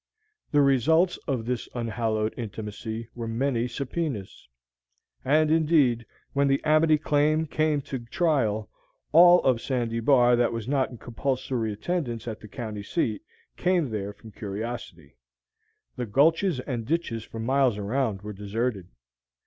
The results of this unhallowed intimacy were many subpoenas; and, indeed, when the "Amity Claim" came to trial, all of Sandy Bar that was not in compulsory attendance at the county seat came there from curiosity. The gulches and ditches for miles around were deserted.